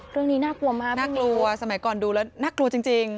น่ากลัวมากน่ากลัวสมัยก่อนดูแล้วน่ากลัวจริง